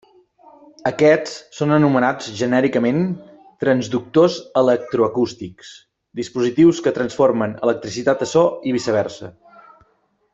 Aquests són anomenats genèricament transductors electroacústics: dispositius que transformen electricitat a so i viceversa.